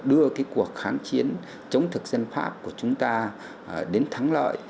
đưa cái cuộc kháng chiến chống thực dân pháp của chúng ta đến thắng lợi